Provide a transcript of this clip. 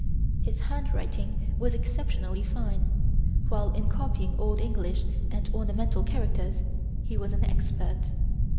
His handwriting was exceptionally fine, while in copying old English and ornamental characters, he was an expert.